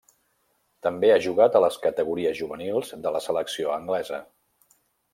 També ha jugat a les categories juvenils de la selecció anglesa.